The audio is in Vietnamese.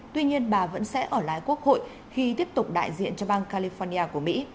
tuy nhiên bà vẫn sẽ ở lái quốc hội khi tiếp tục đại diện cho bang california của mỹ